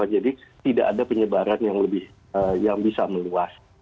jadi tidak ada penyebaran yang bisa meluas